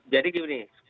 jadi gimana ini